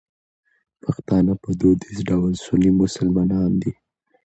پښتانه په دودیز ډول سني مسلمانان دي.